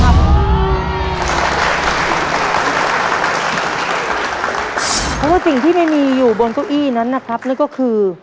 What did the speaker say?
เพราะว่าสิ่งที่ไม่มีอยู่บนเก้าอี้นั้นนะครับนั่นก็คือ